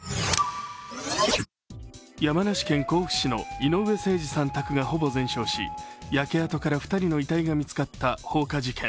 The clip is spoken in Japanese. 山梨県甲府市の井上盛司さん宅がほぼ全焼し焼け跡から２人の遺体が見つかった放火事件。